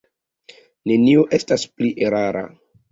Nenio estas pli erara.